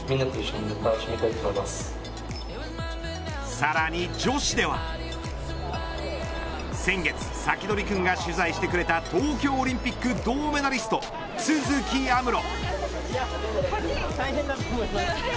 さらに女子では先月、サキドリ君が取材してくれた東京オリンピック銅メダリスト都筑有夢路。